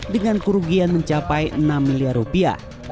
dengan kerugian mencapai enam miliar rupiah